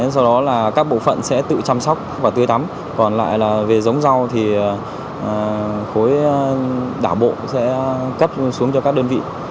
do đó là các bộ phận sẽ tự chăm sóc và tưới tắm còn lại là về giống rau thì khối đảo bộ sẽ cấp xuống cho các đơn vị